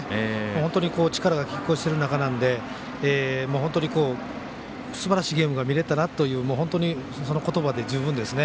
本当に力がきっ抗している中なんで、本当にすばらしいゲームが見れたなというその言葉で十分ですね。